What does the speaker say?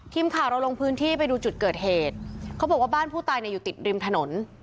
ทีมข่าวเราลงพื้นที่ไปดูจุดเกิดเหตุเขาบอกว่าบ้านผู้ตายเนี่ยอยู่ติดริมถนน